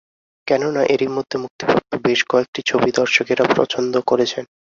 কেননা এরই মধ্যে মুক্তিপ্রাপ্ত বেশ কয়েকটি ছবি দর্শকেরা পছন্দ করেছেন।